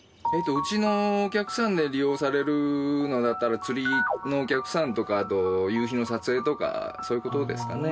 うちのお客さんで利用されるのだったら釣りのお客さんとかあと夕日の撮影とかそういう事ですかね。